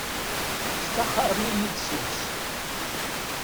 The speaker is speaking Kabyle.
Staxren-iyi-d seg-s.